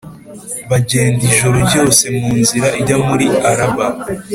bagenda ijoro ryose mu nzira ijya muri Araba.